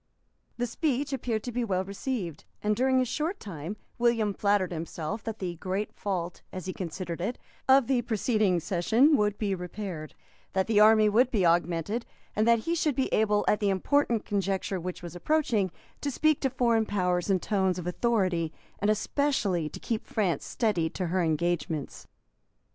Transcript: The speech appeared to be well received; and during a short time William flattered himself that the great fault, as he considered it, of the preceding session would be repaired, that the army would be augmented, and that he should be able, at the important conjuncture which was approaching, to speak to foreign powers in tones of authority, and especially to keep France steady to her engagements.